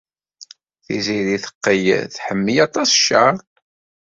Tiziri teqqel tḥemmel aṭas Charles.